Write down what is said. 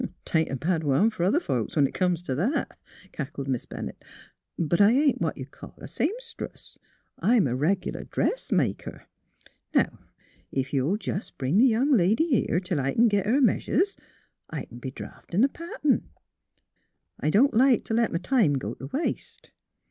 " 'Tain't a bad one fer other folks, when it comes t' that," cackled Miss Bennett. '' But I ain't what you'd call a seamstress. I'm a reg'lar dressmaker. Now, ef you'll jes' bring the young lady here till I c'n git her measures, I c'n be draughtin' a pattern. I don't like t' let m' time run t' waste."